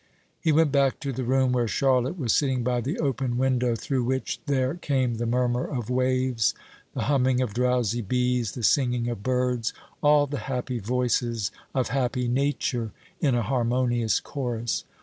He went back to the room where Charlotte was sitting by the open window, through which there came the murmur of waves, the humming of drowsy bees, the singing of birds, all the happy voices of happy nature in a harmonious chorus.